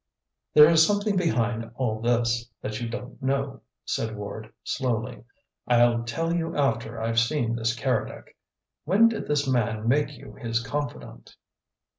"There is something behind all this that you don't know," said Ward slowly. "I'll tell you after I've seen this Keredec. When did the man make you his confidant?"